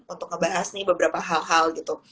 untuk ngebahas nih beberapa hal hal gitu